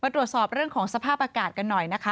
ตรวจสอบเรื่องของสภาพอากาศกันหน่อยนะคะ